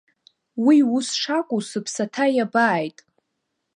Уи ус шакәу сыԥсаҭа иабааит.